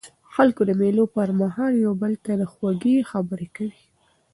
خلک د مېلو پر مهال یو بل ته خوږې خبري کوي.